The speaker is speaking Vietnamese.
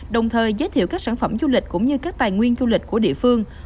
đồng thời giới thiệu các sản phẩm du lịch cũng như các tài nguyên du lịch của địa phương